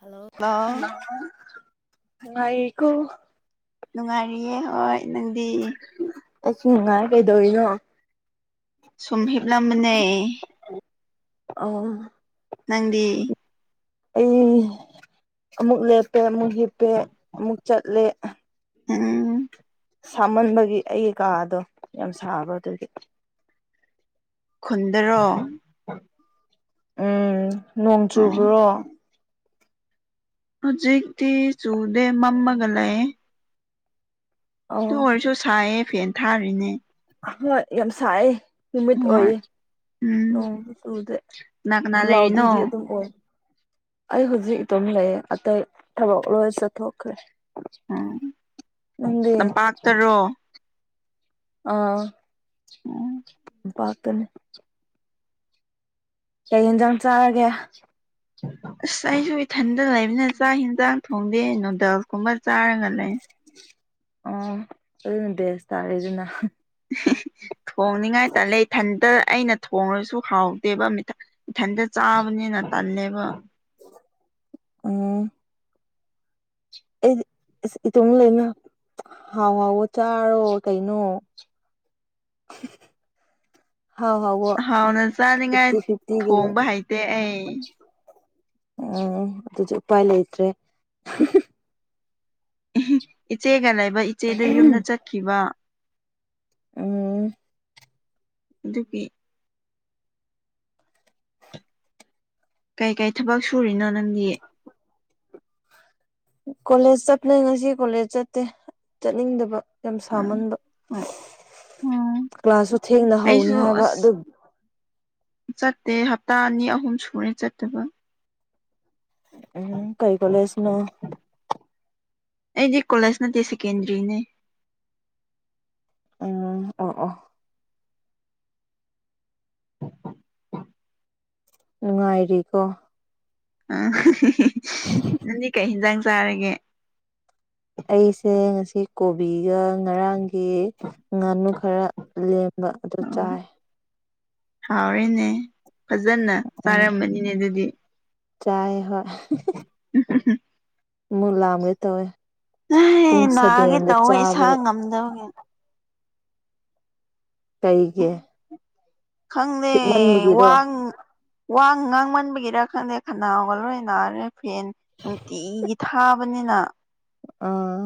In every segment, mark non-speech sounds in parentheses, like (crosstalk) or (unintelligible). hello ꯀꯣ ꯅꯨꯡꯉꯥꯏꯔꯤꯌꯦ ꯍꯣꯏ ꯅꯪꯗꯤ ꯑꯁꯨ ꯅꯨꯡꯉꯥꯏ ꯀꯩꯗꯧꯔꯤꯅꯣ ꯁꯨꯝꯍꯤꯦꯞꯂꯝꯕ ꯅꯩ ꯑ ꯅꯗꯤ ꯑꯩ ꯑꯃꯨꯛ ꯂꯦꯞꯄꯦ ꯑꯃꯨꯛ ꯍꯤꯞꯄꯦ ꯑꯃꯨꯛ ꯆꯠꯂꯦ ꯎꯝ ꯁꯥꯃꯟꯕꯒꯤ ꯑꯩꯒꯤ ꯀꯥꯗꯣ ꯌꯥꯝ ꯁꯥꯕ꯭ꯔ ꯑꯗꯨꯗꯤ ꯈꯨꯟꯗ꯭ꯔꯣ ꯎꯝ ꯅꯣꯡ ꯆꯨꯕ꯭ꯔꯣ ꯍꯧꯖꯤꯛꯇꯤ ꯆꯨꯗꯦ ꯃꯝꯃꯒ ꯂꯩꯑ ꯑꯣ ꯑꯗꯨ ꯑꯣꯏꯔꯁꯨ ꯁꯥꯏꯌꯦꯦ ꯐꯦꯟ ꯊꯥꯔꯤꯅꯦ ꯍꯣꯏ ꯌꯥꯝꯁꯑ ꯅꯨꯃꯤꯠ ꯍꯣꯏ ꯑꯣꯏꯌꯦ ꯎꯝ ꯅꯣꯡ ꯆꯗ ꯀꯅꯥ ꯀꯅꯥ ꯂꯩꯔꯤꯅꯣ ꯄꯨꯂꯥꯎꯗꯤꯗꯤ ꯑꯗꯨꯝ ꯑꯣꯏ ꯑꯩ ꯍꯧꯖꯤꯛ ꯑꯗꯨꯝ ꯂꯩ ꯑꯇꯩ ꯊꯕꯛ ꯂꯣꯏ ꯆꯠꯊꯣꯛꯈ꯭ꯔꯦ ꯎꯝ ꯅꯪꯗꯤ ꯅ ꯄꯥꯠꯇꯔꯣ ꯑꯥ ꯎꯝ (inaudible) ꯀꯩ ꯌꯦꯟꯖꯥꯡ ꯆꯥꯔꯒꯦ ꯑꯁ ꯑꯩꯁꯨ ꯏꯊꯟꯇ ꯂꯩꯕꯅ ꯆꯥꯛ ꯌꯦꯟꯁꯥꯡ ꯊꯣꯡꯗꯦ ꯅꯨꯗꯜꯁ ꯀꯨꯝꯕ ꯆꯥꯔꯒ ꯂꯩ ꯑꯣ ꯑꯗꯨꯅ ꯕꯦꯁ ꯇꯥꯔꯦ ꯑꯗꯨꯅ ꯊꯣꯡꯅꯤꯡꯉꯥꯏ ꯇꯜꯂꯦ ꯏꯊꯟꯇ ꯑꯩꯅ ꯊꯣꯡꯉꯁꯨ ꯍꯥꯎꯗꯦꯕ ꯃꯤꯊꯟꯇ ꯆꯥꯕꯅꯤꯅ ꯇꯜꯂꯦꯕ ꯎꯝ ꯑꯩꯗ ꯑꯁ ꯏꯇꯣ ꯂꯩꯅ ꯍꯥꯎ ꯍꯥꯎꯕ ꯆꯥꯔꯣ ꯀꯩꯅꯣ (inaudible) ꯍꯥꯎ ꯍꯥꯎ ꯋꯥ ꯍꯥꯎꯅ ꯆꯥꯅꯤꯡꯉꯥꯏ ꯐꯤꯇꯤ ꯐꯤꯐꯇꯤ ꯀꯂꯣ ꯊꯣꯡꯕ ꯍꯩꯇꯦ ꯑꯩ ꯎꯝ ꯑꯗꯨꯁꯨ ꯎꯄꯥꯏ ꯂꯩꯇ꯭ꯔꯦ ꯏꯆꯦꯒ ꯂꯩꯕ ꯏꯆꯦꯗ ꯌꯨꯝꯗ ꯆꯠꯈꯤꯕ ꯎꯝ ꯑꯗꯨꯒꯤ ꯀꯩꯀꯩ ꯊꯕꯛ ꯁꯨꯔꯤꯅꯣ ꯅꯪꯗꯤ ꯀꯣꯂꯦꯖ ꯆꯠꯄꯅꯦ ꯉꯁꯤ ꯀꯣꯂꯦꯖ ꯆꯠꯇꯦ ꯆꯠꯅꯤꯡꯗꯕ ꯌꯥꯝ ꯁꯥꯃꯟꯕ ꯑꯣ ꯀ꯭ꯂꯥꯁꯁꯨ ꯊꯦꯡꯅ ꯍꯧꯅꯤ ꯑꯩꯁꯨ ꯍꯥꯏꯕ ꯑꯗꯨ ꯑꯁ ꯆꯠꯇꯦ ꯍꯞꯇꯥ ꯑꯅꯤ ꯑꯍꯨꯝ ꯁꯨꯔꯦ ꯆꯠꯇꯕ ꯎꯝ ꯀꯩ ꯀꯣꯂꯦꯖꯅꯣ ꯑꯩꯗꯤ ꯀꯣꯂꯦꯖ ꯅꯠꯇꯦ ꯁꯦꯀꯦꯟꯗꯔꯤꯅꯤ ꯎꯝ ꯑꯣ ꯑꯣ p ꯅꯨꯡꯉꯥꯏꯔꯤꯀꯣ ꯑꯥ ꯅꯪꯗꯤ ꯀꯩ ꯍꯤꯟꯖꯥꯡ ꯆꯥꯔꯒꯦ ꯑꯩꯁꯦ ꯉꯁꯤ ꯀꯣꯕꯤꯒ ꯉꯔꯥꯡꯒꯤ ꯉꯥꯅꯨ ꯈꯔ ꯂꯦꯝ ꯑꯗꯨ ꯑꯣ ꯆꯥꯏ ꯍꯥꯎꯔꯦꯅꯦ ꯐꯖꯅ ꯎꯝ ꯆꯥꯔꯝꯃꯅꯤꯅꯦ ꯑꯗꯨꯗꯤ ꯆꯥꯏ ꯍꯣꯏ ꯃꯨ ꯂꯝꯒꯦ ꯇꯧꯋꯦ ꯄꯨꯡ ꯅꯥꯒꯦ ꯁꯕꯦꯟꯗ ꯇꯧꯋꯦ ꯏꯁꯥ ꯆꯥꯕꯒꯤ ꯉꯝꯗꯕꯒꯤ ꯀꯩꯒꯤ ꯈꯪꯗꯦ ꯈꯤꯠꯃꯟꯕꯒꯤꯔꯣ ꯋꯥꯡ ꯋꯥ ꯉꯥꯡꯃꯟꯕꯒꯤꯔ ꯈꯪꯗꯦ ꯈꯅꯥꯎꯒ ꯂꯣꯏ ꯅꯥꯔꯦ ꯐꯦꯟ ꯅꯨꯡꯇꯤꯒꯤ ꯊꯥꯕꯅꯤꯅ ꯑꯥ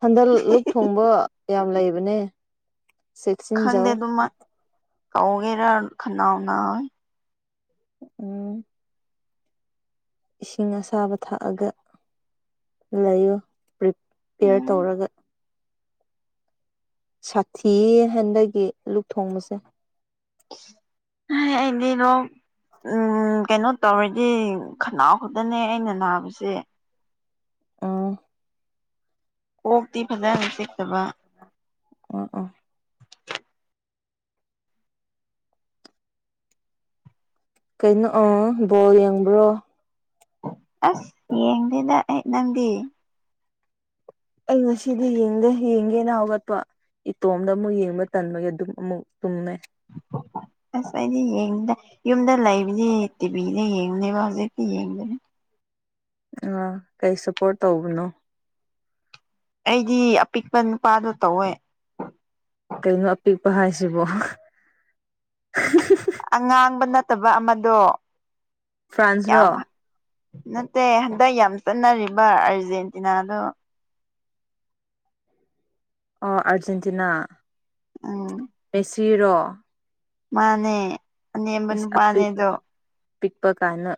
ꯍꯟꯗꯛ ꯂꯨꯛ ꯊꯣꯡꯕ ꯌꯥꯝ ꯂꯩꯕꯅꯦ ꯁꯦꯛꯁꯤꯟꯖꯥꯎ ꯀꯧꯒꯦꯔ ꯈꯟꯅꯥꯎ ꯅꯥꯏ ꯎꯝ ꯏꯁꯤꯡ ꯑꯁꯥꯕ ꯊꯥꯛꯑꯒ ꯂꯩꯌꯨ ꯄꯔꯤꯄꯤꯌꯔ ꯎꯝ ꯇꯧꯔꯒ ꯁꯥꯊꯤ ꯍꯟꯗꯒꯤ ꯂꯨꯛ ꯊꯣꯡꯕꯁꯦ ꯍꯩ ꯑꯩꯗꯥ ꯂꯣꯛ ꯎꯝ ꯀꯩꯅꯣ ꯇꯧꯔꯗꯤ ꯈꯅꯥꯎ ꯈꯛꯇꯅꯦ ꯑꯩꯅ ꯅꯥꯕꯁꯦ ꯑꯥ ꯀꯣꯛꯇꯤ ꯐꯖꯅ ꯆꯤꯛꯇꯕ ꯑꯝ ꯑꯝ ꯀꯩꯅꯣ ꯑꯥ ꯕꯣꯜ ꯌꯦꯡꯕ꯭ꯔꯣ ꯑꯁ ꯌꯦꯡꯗꯦꯗ ꯑꯩ ꯅꯪꯗꯤ ꯑꯩ ꯉꯁꯤꯗꯤ ꯌꯦꯡꯗꯦ ꯌꯦꯡꯒꯦꯅ ꯍꯧꯒꯠꯄ ꯏꯇꯣꯝꯗ ꯑꯃꯨꯛ ꯌꯦꯡꯕ ꯇꯟꯕꯒꯤ ꯑꯗꯨꯝ ꯑꯃꯨꯛ ꯇꯨꯝꯃꯦ ꯑꯁ ꯍꯥꯏꯗꯤ ꯌꯦꯡꯗ ꯌꯨꯝꯗ ꯂꯩꯕꯗꯤ ꯇꯤꯚꯤꯗ ꯌꯦꯡꯅꯦꯕ ꯍꯧꯖꯤꯛꯇꯤ ꯌꯦꯡꯗꯅꯦ ꯑ ꯀꯩ ꯁꯞꯄꯣꯔꯠ ꯇꯧꯕꯅꯣ ꯑꯩꯗꯤ ꯑꯄꯤꯛꯄ ꯅꯨꯄꯥꯗꯣ ꯇꯧꯋꯦ ꯀꯩꯅꯣ ꯑꯄꯤꯛꯄ ꯍꯥꯏꯁꯤꯕꯣ ꯑꯉꯥꯡꯕ ꯅꯠꯇꯕ ꯑꯃꯗꯣ ꯐ꯭ꯔꯥꯟꯁꯔꯣ ꯌꯥꯝ ꯅꯠꯇꯦ ꯍꯟꯗꯛ ꯌꯥꯝ ꯆꯠꯅꯔꯤꯕ ꯑꯥꯔꯖꯦꯟꯇꯤꯅꯥꯗꯣ ꯑꯣ ꯑꯔꯖꯦꯟꯇꯤꯅꯥ ꯎꯝ ꯃꯦꯛꯁꯤꯔꯣ ꯃꯥꯅꯦ ꯑꯅꯦꯝꯕ ꯑꯄꯤꯛ ꯅꯨꯄꯥꯅꯦꯗꯣ ꯄꯤꯛꯄ ꯀꯅ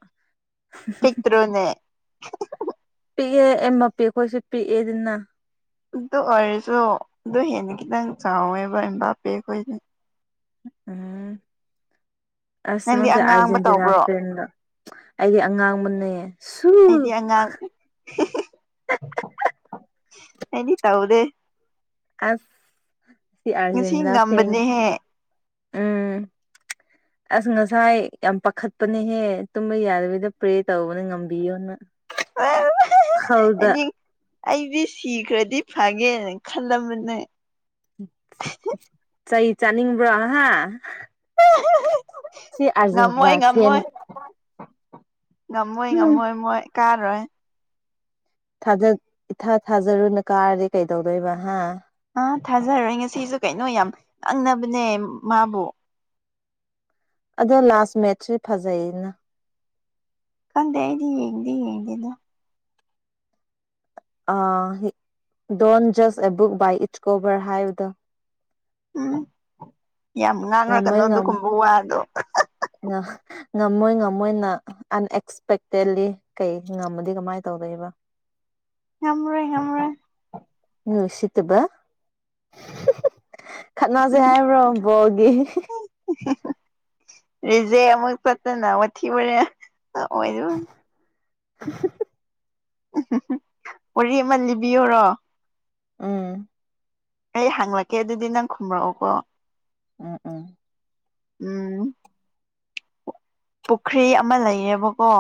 ꯄꯤꯛꯇ꯭ꯔꯨꯅꯦ ꯄꯤꯛꯑꯦ ꯑ ꯃ ꯄꯤ ꯑꯩꯈꯣꯏꯁꯨ ꯄꯤꯛꯑꯦ ꯑꯗꯨꯅ ꯑꯗꯨ ꯑꯣꯏꯔꯁꯨ ꯑꯗꯨ ꯍꯦꯟꯅ ꯈꯤꯇꯪ ꯆꯥꯎꯋꯦꯕ ꯏꯝ ꯄꯦ ꯑꯩꯈꯣꯏꯗꯤ ꯎꯝ ꯑꯁ ꯅꯪꯗꯤ ꯅꯁꯦ ꯑꯉꯥꯡꯕ ꯑꯔꯖꯦꯟꯇꯤꯅꯥ ꯇꯧꯕ꯭ꯔꯣ ꯐ꯭ꯔꯦꯟ ꯑꯩꯗꯤ ꯑꯉꯥꯡꯕꯅꯦꯌꯦ ꯑꯩꯗꯤ ꯑꯉꯥꯡ ꯏꯅꯤ ꯇꯧꯗꯦ ꯑꯁ ꯁꯤ ꯉꯁꯤ ꯑꯔꯖꯦꯟꯇꯅꯥ ꯉꯝꯕꯅꯦꯍꯦ ꯎꯝ (inaudible) ꯑꯁ ꯉꯁꯥꯏ ꯌꯥꯝ ꯄꯥꯈꯠꯄꯅꯦꯍꯦ ꯇꯨꯝꯕ ꯌꯥꯗꯕꯤꯗ ꯄ꯭ꯔꯦ ꯇꯧꯕꯅ ꯉꯝꯕꯤꯌꯣꯅ ꯍꯥꯎꯗ ꯑꯩꯗꯤ ꯑꯩꯗꯤ ꯁꯤꯈ꯭ꯔꯗꯤ ꯐꯒꯦꯅ ꯈꯜꯂꯝꯕꯅꯦ ꯆꯩ ꯆꯥꯅꯤꯡꯕ꯭ꯔꯣ ꯍꯥ ꯁꯤ ꯑꯔꯖꯦꯟꯇꯤꯅꯥ ꯉꯝꯃꯣꯏ ꯐꯦꯟ ꯉꯝꯃꯣꯏ ꯉꯝꯃꯣꯏ ꯎꯝ ꯉꯝꯃꯣꯏ ꯃꯣꯏ ꯀꯥꯔꯣꯏ ꯊꯖ ꯏꯊꯥ ꯊꯥꯖꯔꯨꯅ ꯀꯥꯔꯗꯤ ꯀꯩꯗꯧꯗꯣꯏꯕ ꯍꯥ ꯑꯥ ꯊꯥꯖꯔꯣꯏ ꯉꯁꯤꯁꯨ ꯀꯩꯅꯣ ꯌꯥꯝ ꯉꯪꯅꯕꯅꯦ ꯃꯥꯕꯨ ꯑꯗꯣ ꯂꯥꯁ ꯃꯦꯠꯆꯁꯦ ꯐꯖꯩꯌꯦꯅ ꯀꯗꯗꯤ ꯌꯦꯡꯉꯗꯤ ꯌꯦꯡꯉꯗꯤꯗ ꯑ ꯗꯣꯣꯟ ꯖꯁ ꯑꯦ ꯕꯨꯛ ꯕꯥ ꯏꯠ ꯀꯣꯕꯔ ꯍꯕ ꯗ ꯎꯝ ꯌꯥꯝ ꯅꯥꯟ ꯋꯥꯔ ꯀ ꯉꯝꯃꯣꯏ ꯅꯣꯗꯨ ꯉꯝ ꯀꯨꯝꯕ ꯋꯥ ꯑꯗꯣ ꯉꯝꯃꯣꯏ ꯉꯝꯃꯣꯏꯅ ꯑꯟꯑꯛꯁꯄꯦꯛꯇꯦꯠꯂꯤ ꯀꯩ ꯉꯝꯃꯗꯤ ꯀꯃꯥꯏꯅ ꯇꯧ ꯑꯣꯗꯩꯕ ꯍꯔꯣꯏ ꯍꯔꯣꯏ ꯎꯆꯁꯤꯕ ꯈꯠꯅꯥꯁꯦ ꯍꯥꯏꯕ꯭ꯔꯣꯕꯣꯒꯤ ꯔꯤꯖꯦ ꯑꯃꯨꯛ ꯆꯠꯇꯅ ꯃꯊꯤꯕꯣꯔꯦ ꯑꯣꯏ (inaudible) ꯋꯥꯔꯤ ꯑꯃꯜ ꯂꯤꯕꯤꯌꯔꯣ ꯎꯝ ꯑꯩ ꯍꯥꯡꯂꯛꯀꯦ ꯑꯗꯨꯗꯤ ꯅꯪ ꯈꯨꯝꯔꯛꯑꯣꯀꯣ ꯎꯝ ꯎꯝ ꯎꯝ ꯄꯨꯈ꯭ꯔꯤ ꯑꯃ ꯂꯩꯌꯦꯕꯀꯣ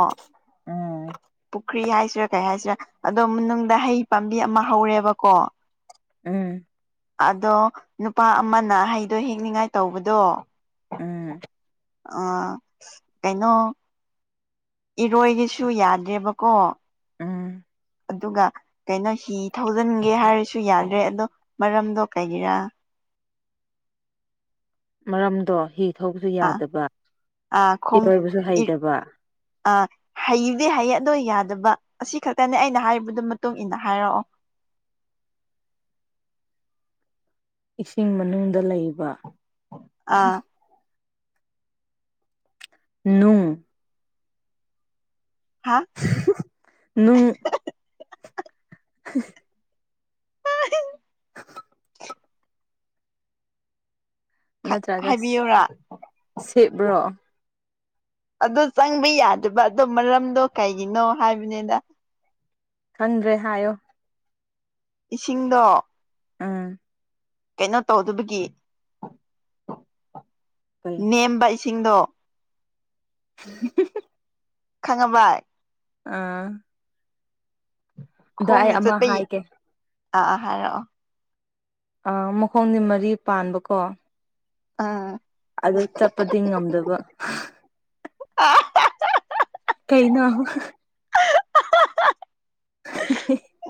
ꯎꯝ ꯄꯨꯈ꯭ꯔꯤ ꯍꯥꯏꯁꯤꯔꯥ ꯀꯩ ꯍꯥꯏꯁꯤꯔꯥ ꯑꯗꯣ ꯃꯅꯨꯡꯗꯅꯨꯡ ꯍꯩ ꯄꯥꯝꯕꯤ ꯑꯃ ꯍꯧꯔꯦꯕꯀꯣ ꯎꯝ ꯑꯗꯣ ꯅꯨꯄꯥ ꯑꯃꯅ ꯍꯩꯗꯣ ꯍꯦꯛꯅꯤꯡꯉꯥꯏ ꯇꯧꯕꯗꯣ ꯎꯝ ꯑ ꯀꯥꯏꯩꯅꯣ ꯏꯔꯣꯏꯒꯤꯁꯨ ꯌꯥꯗꯦꯕꯀꯣ ꯎꯝ ꯑꯗꯨꯒ ꯀꯩꯅꯣ ꯍꯤ ꯊꯧꯖꯤꯟꯒꯦ ꯍꯥꯏꯔꯁꯨ ꯌꯥꯗ꯭ꯔꯦ ꯑꯗꯣ ꯃꯔꯝꯗꯣ ꯀꯩꯒꯤꯔꯥ ꯃꯔꯝꯗꯣ ꯍꯤ ꯊꯧꯕꯁꯨ ꯑꯥ ꯌꯥꯗꯕ ꯏꯔꯣꯏꯕꯁꯨ ꯍꯩꯇꯕ ꯑ ꯍꯩꯗꯤ ꯍꯩꯌꯦ ꯑꯗꯣ ꯌꯥꯗꯕ ꯑꯁꯤ ꯈꯛꯇꯅꯦ ꯑꯩꯅ ꯍꯥꯏꯕꯗꯨ ꯃꯇꯨꯡ ꯏꯟꯅ ꯍꯥꯏꯔꯛꯑꯣ (inaudible) ꯏꯁꯤꯡ ꯃꯅꯨꯡꯗ ꯂꯩꯕ ꯑꯥ ꯅꯨꯡ ꯍꯥꯥ ꯅꯨꯡ (unintelligible) (unintelligible) ꯅꯠꯇ꯭ꯔꯒ ꯍꯥꯏꯕꯤꯌꯨꯔꯥ ꯁꯦꯞ ꯔꯣ ꯑꯗꯨ ꯆꯪꯕ ꯌꯥꯗꯕ ꯑꯗꯨ ꯃꯔꯝꯗꯣ ꯀꯩꯒꯤꯅꯣ ꯍꯥꯏꯕꯅꯤꯗ ꯈꯪꯗꯔꯦ ꯍꯥꯏꯣ ꯏꯁꯤꯡꯗꯣ ꯑꯝ ꯀꯩꯅꯣ ꯇꯧꯗꯕꯒꯤ ꯀꯩ ꯅꯦꯝꯕ ꯁꯤꯡꯗꯣ (unintelligible) ꯈꯪꯉꯕꯥꯏ ꯑꯥ ꯑꯗ ꯑꯩ ꯈꯣꯡꯅ ꯑꯃ ꯆꯠꯄ ꯍꯥꯏꯒꯦ ꯑꯥ ꯑꯥ ꯍꯥꯏꯔꯛꯑꯣ ꯑꯥ ꯃꯈꯣꯡꯗꯤ ꯃꯔꯤ ꯄꯥꯟꯕꯀꯣ ꯑꯥ ꯑꯗꯨ ꯆꯠꯄꯗꯤ ꯉꯝꯗꯕ (unintelligible) ꯀꯩꯅꯣ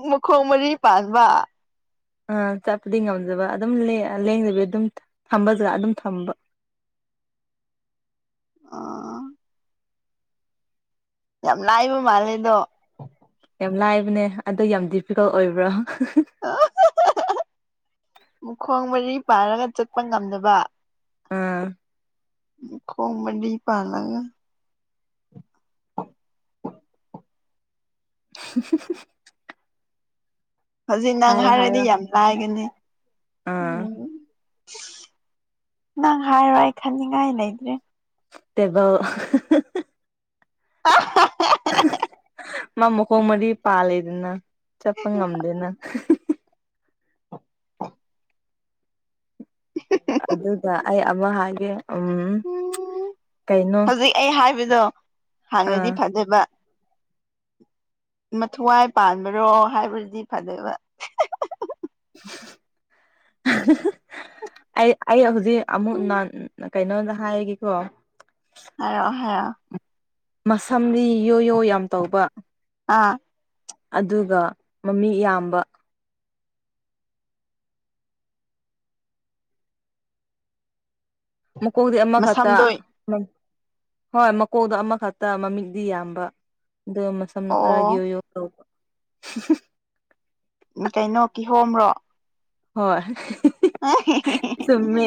ꯃꯈꯣꯡ ꯃꯔꯤ ꯄꯥꯟꯕ ꯑꯥ ꯆꯠꯄꯗꯤ ꯉꯝꯗꯕ ꯑꯗꯨꯝ ꯂꯦꯡ ꯂꯦꯡꯗꯕꯤ ꯑꯗꯨꯝ ꯊꯝꯕꯖ꯭ꯔꯥ ꯑꯗꯨꯝ ꯊꯝꯕ (inaudible) ꯑꯥ ꯌꯥꯝ ꯂꯥꯏꯕ ꯃꯥꯜꯂꯦꯗꯣ ꯌꯥꯝ ꯂꯥꯏꯕꯅꯦ ꯑꯗꯣ ꯌꯥꯝ ꯗꯤꯐꯤꯀꯜꯠ ꯑꯣꯏꯕ꯭ꯔꯥ ꯃꯈꯨꯣꯡ ꯃꯔꯤ ꯄꯥꯟꯔꯒ ꯆꯠꯄ ꯉꯝꯗꯕ ꯑꯥ ꯃꯈꯣꯡ ꯃꯔꯤ ꯄꯥꯟꯂꯒ (inaudible) (unintelligible) ꯍꯧꯖꯤꯛ ꯅꯪ ꯍꯥꯏꯔꯣ ꯍꯥꯏꯔꯗꯤ ꯍꯥꯏꯔꯣ ꯌꯥꯝ ꯂꯥꯏꯒꯅꯤ ꯑꯥ ꯅꯪ ꯍꯥꯏꯔꯣ ꯑꯩ ꯈꯟꯅꯤꯡꯉꯥꯏ ꯂꯩꯇ꯭ꯔꯦ ꯇꯦꯕꯜ ꯍ ꯃꯥ ꯃꯈꯀꯣꯡ ꯃꯔꯤ ꯄꯥꯜꯂꯤꯗꯅ ꯆꯠꯄ ꯉꯝꯗꯦꯅ ꯑꯗꯨꯒ ꯑꯩ ꯑꯃ ꯍꯥꯏꯒꯦ ꯎꯝ ꯀꯩꯅꯣ ꯑꯗꯣ ꯍꯪꯔ꯭ꯗꯤ ꯑꯥ ꯐꯗꯣꯏꯕ ꯃꯊꯋꯥꯏ ꯄꯥꯟꯕꯔꯣ ꯍꯥꯏꯕꯗꯤ ꯐꯗꯣꯏꯕꯥ ꯑꯩ ꯑꯩ ꯍꯧꯖꯤꯛ ꯑꯃꯨꯛ ꯀꯩꯅꯣꯗ ꯍꯥꯏꯒꯦꯀꯣ ꯍꯥꯏꯣ ꯍꯥꯏꯌꯣ ꯃꯁꯝꯗꯤ ꯌꯣ ꯌꯣ ꯌꯥꯝ ꯇꯧꯕ ꯑꯥ ꯑꯗꯨꯒ ꯃꯃꯤ ꯌꯥꯝꯌꯥꯝꯕ ꯃꯀꯣꯛꯗꯤ ꯑꯃ ꯈꯛꯇ ꯃꯁꯝꯗꯣ ꯍꯣꯏ ꯃꯀꯣꯛꯗꯣ ꯑꯃꯈꯛꯇ ꯃꯃꯤꯠꯗꯤ ꯌꯥꯝꯕ ꯑ ꯃꯁꯝꯅ ꯑꯣ ꯈꯔꯒꯤ ꯑꯣꯏꯌꯣ ꯇꯧꯕ ꯎ ꯀꯩꯅꯣ ꯀꯤꯍꯣ꯭ꯔꯣ ꯍꯣꯏ ꯑ ꯆꯨꯝꯃꯦ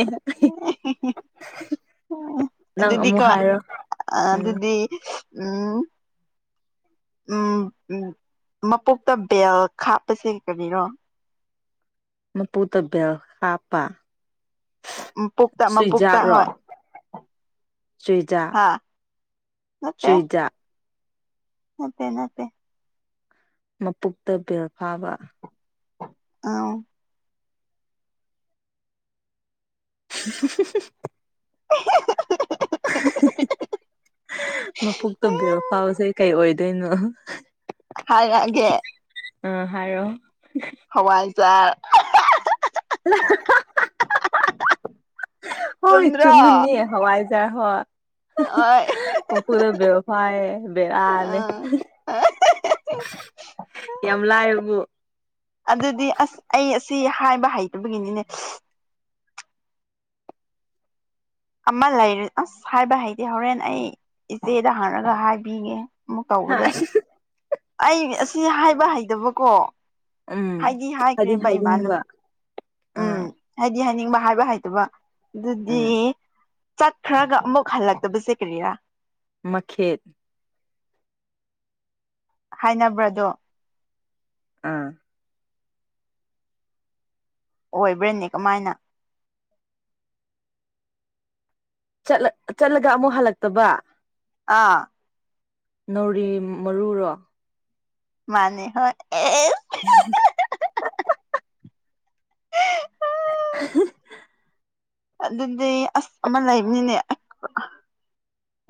ꯅꯪ ꯑꯗꯨꯗꯤ ꯑꯃꯨꯛ ꯀ ꯍꯥꯏꯔꯣ ꯑ ꯎꯝ ꯑꯗꯨꯗꯤ ꯎꯝ ꯎꯝ ꯃꯄꯣꯛꯇ ꯕꯦꯜ ꯈꯥꯞꯄꯁꯦ ꯀꯔꯤꯅꯣ ꯃ ꯄꯨ ꯇꯕ ꯍꯥꯄꯥ ꯃꯄꯣꯛꯇ ꯃꯄꯣꯛꯇ ꯁꯨꯏꯖꯥꯛꯔꯣ ꯍꯣꯏ ꯁꯨꯏꯖꯥꯛ ꯍꯥ ꯅꯠꯇꯦ ꯁ꯭ꯋꯤꯗ ꯅꯠꯇꯦ ꯅꯠꯇꯦ ꯃꯄꯛꯇ ꯕꯦꯜ ꯐꯥꯕ ꯑ (unintelligible) (inaudible) ꯃꯄꯣꯛ ꯇꯣꯕꯤꯌꯣ ꯐꯥꯎꯁꯦ ꯀꯩ ꯑꯣꯏꯗꯣꯏꯅꯣ ꯍꯦ ꯑ ꯍꯥꯔ ꯍꯋꯥꯏꯖꯔ ꯍꯣꯏ ꯆꯨꯝꯗ꯭ꯔꯣ ꯆꯨꯝꯃꯤꯅꯤ ꯍꯋꯥꯏ ꯌꯥꯔ ꯍꯣ ꯍꯣꯏ ꯑꯣ ꯀꯗ ꯦꯐꯥꯏ ꯦꯗꯥꯥ ꯅ ꯑꯥ ꯌꯥꯝ ꯂꯥꯏꯕꯕꯨ ꯑꯗꯨꯗꯤ ꯑꯁ ꯑꯩ ꯑꯁꯤ ꯍꯥꯏꯕ ꯍꯩꯇꯕꯒꯤꯅꯤꯅꯦ ꯑꯃ ꯂꯩꯔꯦ ꯑꯁ ꯍꯥꯏꯕ ꯍꯥꯏꯗꯤ ꯍꯣꯔꯦꯟ ꯑꯩ ꯏꯆꯦꯗ ꯍꯪꯔꯒ ꯍꯥꯏꯕꯤꯒꯦ ꯑꯃꯨꯛ ꯇꯧꯕꯗ ꯑꯩ ꯑꯁꯤ ꯍꯥꯏꯕ ꯍꯩꯇꯕꯀꯣ ꯎꯝ ꯍꯥꯏꯗꯤ ꯍꯥꯏꯗꯤꯅꯤꯡꯕ ꯑꯥ ꯗꯤ ꯍꯥꯏꯅꯤꯡꯕ ꯍꯥꯏꯕ ꯍꯥꯏꯩꯇꯕ ꯑꯗꯨꯗꯤ ꯎꯝ ꯆꯠꯈ꯭ꯔꯒ ꯑꯃꯨꯛ ꯍꯜꯂꯛꯇꯕꯁꯦ ꯀꯔꯤꯔꯥ ꯃꯈꯦꯠ ꯍꯥꯏꯅꯕ꯭ꯔꯥꯗꯣ ꯑꯥ ꯑꯣꯏ ꯕ꯭ꯔꯦꯟꯅꯤ ꯀꯃꯥꯏꯅ ꯆꯠꯂꯒ ꯑꯃꯨꯛ ꯍꯜꯂꯛꯇꯕ ꯑꯥ ꯅꯥꯧꯔꯤ ꯃꯔꯨꯔꯣ ꯃꯥꯅꯤ ꯍꯣꯏ ꯎ (inaudible) ꯑꯗꯨꯗꯤ ꯑꯁ ꯑꯃ ꯂꯩꯕꯅꯤꯅꯦ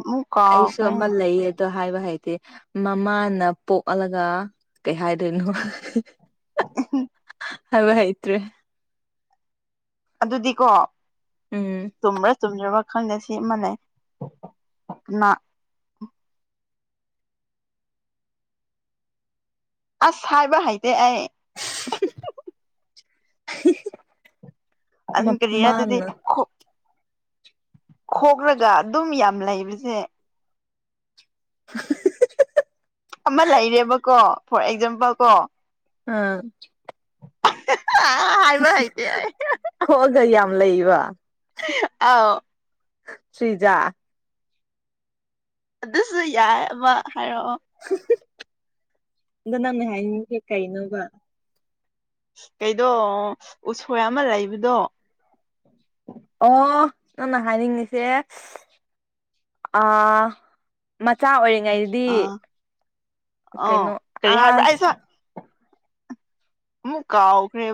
ꯃꯨ ꯀꯥꯎꯥꯎ ꯑꯩꯁꯨ ꯑꯃ ꯀꯩꯅꯦ ꯂꯩꯌꯦ ꯑꯗꯣ ꯍꯥꯏꯕ ꯍꯥꯏꯗꯤꯦ ꯃꯃꯥꯅ ꯄꯣꯛꯍꯂꯒ ꯀꯩ ꯍꯥꯏꯗꯣꯏꯅꯣ ꯎ ꯍ ꯍꯥꯏꯥꯏꯇꯦ ꯑꯗꯨꯗꯤꯀꯣ ꯎꯝ ꯆꯨꯝꯕ꯭ꯔꯥ ꯆꯨꯝꯗ꯭ꯔ ꯈꯪꯗꯕꯁꯤꯃ ꯂꯩꯩꯅꯥ ꯑꯁ ꯍꯥꯏꯕ ꯍꯥꯏꯩꯇꯦ ꯑꯩ (unintelligible) ꯑ ꯀꯔꯤ ꯌꯥ ꯑꯗꯨꯗꯤ ꯃꯥꯅ ꯈꯣꯛ꯭ꯔꯒ ꯑꯗꯨꯝ ꯌꯥꯝ ꯂꯩꯕꯁꯦ (unintelligible) ꯑꯃ ꯂꯩꯔꯦꯕꯀꯣ ꯐꯣꯔ ꯑꯦꯛꯖꯥꯝꯄꯜ ꯀꯣ ꯑꯝ ꯍꯥꯏꯕ ꯍꯩꯇꯦ ꯑꯩ ꯈꯣꯒ ꯌꯥꯝ ꯂꯩꯕ ꯑ ꯁꯤ꯭ꯔꯤꯖꯥ ꯑꯗꯨꯁꯨ ꯌꯥꯏ ꯑꯃ ꯍꯥꯏꯔꯛꯑꯣ ꯑꯗ ꯅꯪꯅ ꯍꯥꯏꯅꯤꯡꯒꯦ ꯀꯩꯅꯣꯕ ꯀꯩꯗꯣ ꯎꯁꯣꯏ ꯑꯃ ꯂꯩꯕꯗꯣ ꯑꯣ ꯅꯪꯅ ꯍꯥꯏꯅꯤꯡꯉꯁꯦ ꯑ ꯃꯆꯥ ꯑꯣꯏ ꯉꯗꯤ ꯑꯥ ꯑꯧ ꯀꯩꯅꯣ ꯀꯔꯤ ꯍꯥꯏꯕ꯭ꯔꯥ ꯑꯁ ꯑꯩꯁꯨ ꯑꯃꯨꯛ ꯀꯥꯎ ꯀꯕ